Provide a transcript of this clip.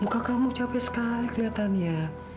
muka kamu capek sekali kelihatannya